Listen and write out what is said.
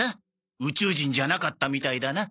宇宙人じゃなかったみたいだな。